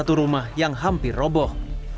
satu rumah yang hampir roboh